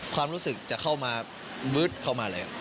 ความรู้สึกจะเข้ามาบึ๊ดเข้ามาเลย